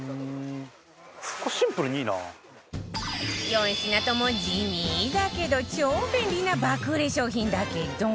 ４品とも地味だけど超便利な爆売れ商品だけど